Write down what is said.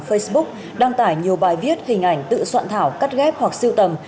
facebook đăng tải nhiều bài viết hình ảnh tự soạn thảo cắt ghép hoặc siêu tầm